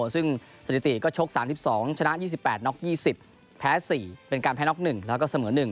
ซึ่งสถิติก็ชก๓๒ชนะ๒๘น็อก๒๐แพ้๔เป็นการแพ้น็อก๑แล้วก็เสมอ๑